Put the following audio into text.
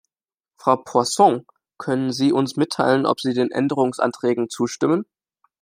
Frau Poisson, können Sie uns mitteilen, ob Sie den Änderungsanträgen zustimmen?